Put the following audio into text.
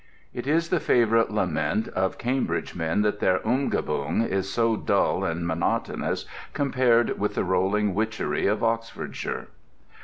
It is the favourite lament of Cambridge men that their "Umgebung" is so dull and monotonous compared with the rolling witchery of Oxfordshire.